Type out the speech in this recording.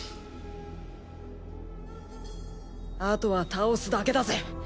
あとは倒すだけだぜ！